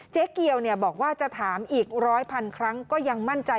เจ๊เกียวบอกว่าจะถามอีกร้อยพันครั้งก็ยังมั่นใจ